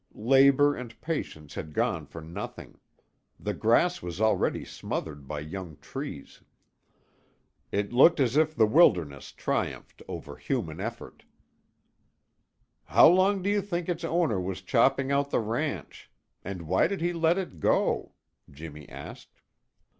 Labor and patience had gone for nothing; the grass was already smothered by young trees. It looked as if the wilderness triumphed over human effort. "How long do you think its owner was chopping out the ranch? And why did he let it go?" Jimmy asked.